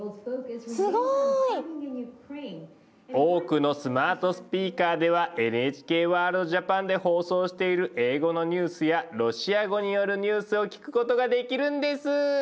すごい！多くのスマートスピーカーでは「ＮＨＫワールドＪＡＰＡＮ」で放送している英語のニュースやロシア語によるニュースを聞くことができるんです！